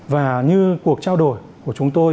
và như cuộc trao đổi của chúng tôi